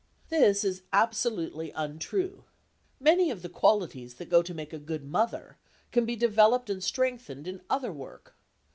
This is absolutely untrue. Many of the qualities that go to make a good mother can be developed and strengthened in other work.